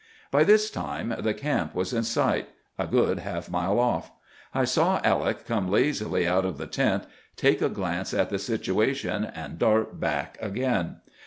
"By this time the camp was in sight, a good half mile off. I saw Alec come lazily out of the tent, take a glance at the situation, and dart back again.